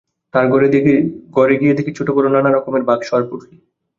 তাঁর ঘরে গিয়ে দেখি ছোটোবড়ো নানা রকমের বাক্স আর পুঁটলি।